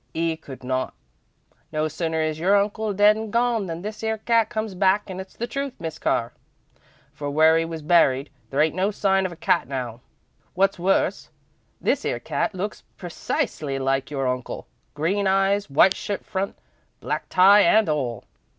'E could not. No sooner is your uncle dead and gone than this 'ere cat comes back, and it's the truth, Miss Carr, for where 'e was buried, there ain't no sign of a cat now. Wot's worse, this 'ere cat looks per cisely like your uncle, green eyes, white shirt front, black tie and all.